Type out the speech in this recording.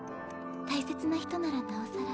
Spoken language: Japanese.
大切な人ならなおさら。